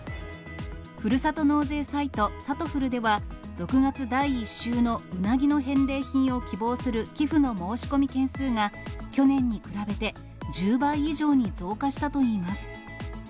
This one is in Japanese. ふるさと納税サイト、さとふるでは、６月第１週のうなぎの返礼品を希望する寄付の申し込み件数が、去年に比べて１０倍以上に増加したといいます。